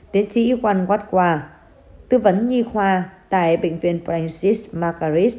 tiến sĩ yvonne watqua tư vấn nhi khoa tại bệnh viện francis